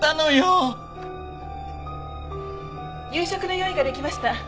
夕食の用意ができました。